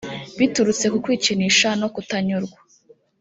biturutse ku kwikinisha no kutanyurwa